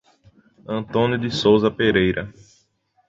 Antônio de Sousa Pereira